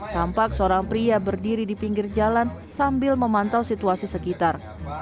tampak seorang pria berdiri di pinggir jalan sambil memantau situasi sekitar